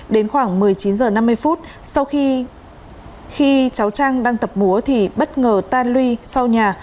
đến khoảng một mươi chín h năm mươi phút sau khi cháu trang đang tập múa thì bất ngờ tan luy sau nhà